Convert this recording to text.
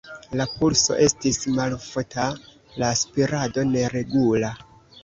La pulso estis malofta, la spirado neregula.